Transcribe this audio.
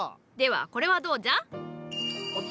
ではこれはどうじゃ？